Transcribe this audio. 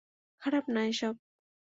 খারাপ না এসব।